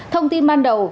thông tin ban đầu